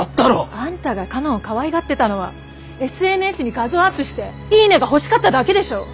あんたが佳音をかわいがってたのはＳＮＳに画像をアップして「いいね！」が欲しかっただけでしょ。